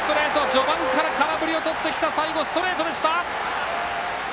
序盤から空振りをとってきた最後、ストレートでした。